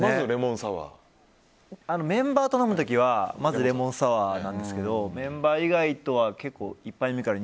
メンバーと飲む時はまずレモンサワーですけどメンバー以外とは結構１杯目から